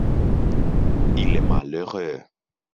Il est malheureux